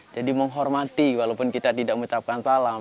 jadi menghormati walaupun kita tidak mengucapkan salam